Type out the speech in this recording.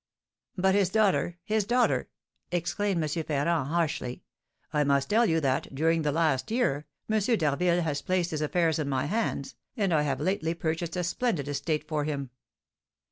"But his daughter his daughter?" exclaimed M. Ferrand, harshly. "I must tell you that, during the last year, M. d'Harville has placed his affairs in my hands, and I have lately purchased a splendid estate for him.